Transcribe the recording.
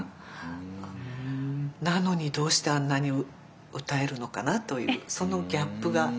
なのにどうしてあんなに歌えるのかなというそのギャップが。